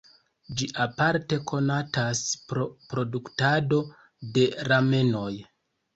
Ĝi aparte konatas pro produktado de ramenoj.